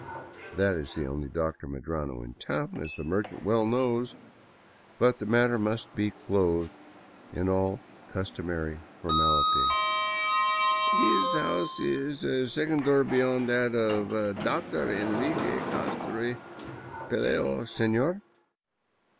"— That is the only Dr. Medrano in town, as the merchant well knows, but the matter must be clothed in all customary formality —" His house is the second door beyond that of Dr. Enrique Castro y Pelayo, seiior."